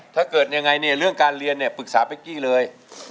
ถ้าเกิดยังไงเนี่ยเรื่องการเรียนเนี่ยปรึกษาเป๊กกี้เลย